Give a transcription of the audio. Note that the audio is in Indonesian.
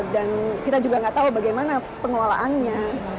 dan kita juga nggak tahu bagaimana pengolahannya